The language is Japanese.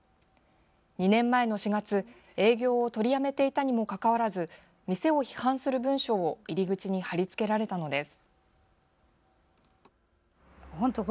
２年前の４月、営業を取りやめていたにもかかわらず店を批判する文章を入り口に貼り付けられたのです。